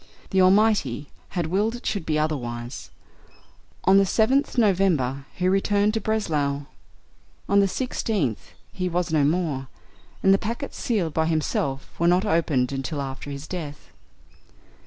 The Almighty has willed it should be otherwise. On the 7th November he returned to Breslau; on the 16th he was no more; and the packets sealed by himself were not opened until after his death.